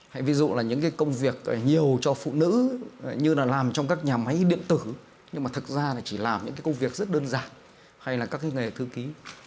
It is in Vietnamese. hay ví dụ là những cái công việc nhiều cho phụ nữ như là làm trong các nhà máy điện tử nhưng mà thực ra là chỉ làm những cái công việc rất đơn giản hay là các cái nghề thư ký